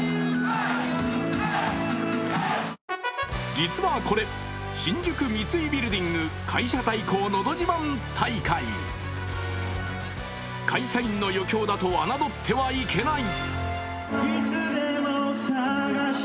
実はこれ、新宿三井ビルディング会社対抗のど自慢大会会社員の余興だと侮ってはいけない。